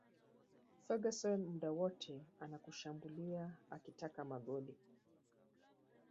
Ferguson muda wote anakushambulia akitaka magoli